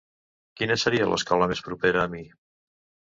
Quina seria l'escola més propera a mi?